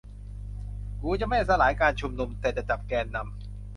กูจะไม่สลายการชุมนุม แต่จะจับแกนนำ